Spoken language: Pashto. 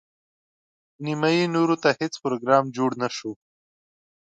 نیمايي نورو ته هیڅ پروګرام جوړ نه شو.